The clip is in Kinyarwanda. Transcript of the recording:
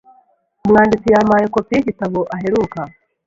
Umwanditsi yampaye kopi yigitabo aheruka.